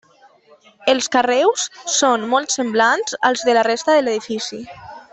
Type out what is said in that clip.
Els carreus són molt semblants als de la resta de l'edifici.